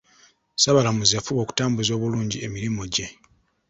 Ssaabalamuzi yafuba okutambuza obulungi emirimu gye